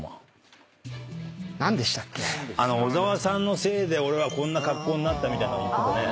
「小澤さんのせいで俺はこんな格好になった」みたいなの言ってたね。